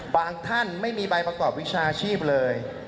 บางท่านไม่มีใบบรรควิชาชีพเลย